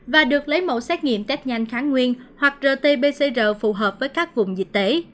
và được lấy mẫu xét nghiệm test nhanh kháng nguyên hoặc rt pcr phù hợp với các vùng dịch tế